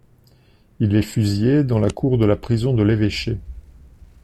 Il est fusillé dans la cour de la prison de l'Evêché.